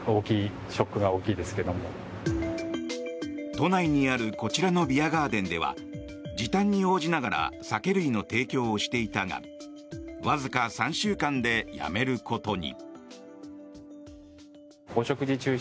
都内にあるこちらのビアガーデンでは時短に応じながら酒類の提供をしていたがわずか３週間でやめることに。